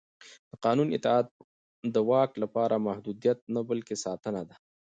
د قانون اطاعت د واک لپاره محدودیت نه بلکې ساتنه ده